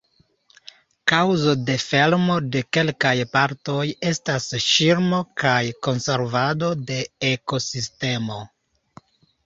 Kaŭzo de fermo de kelkaj partoj estas ŝirmo kaj konservado de ekosistemo.